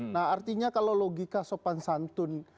nah artinya kalau logika sopan santun